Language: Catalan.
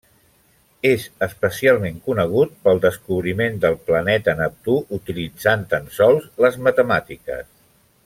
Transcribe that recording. És especialment conegut pel descobriment del planeta Neptú utilitzant tan sols les matemàtiques.